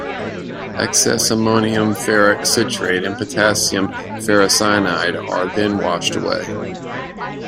Excess ammonium ferric citrate and potassium ferricyanide are then washed away.